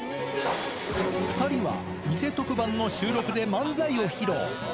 ２人は偽特番の収録で漫才を披露。